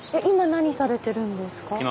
今何されてるんですか？